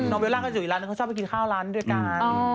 เบลล่าก็จะอยู่อีกร้านนึงเขาชอบไปกินข้าวร้านด้วยกัน